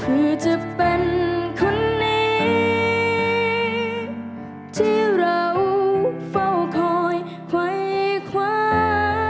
คือจะเป็นคนนี้ที่เราเฝ้าคอยไฟคว้า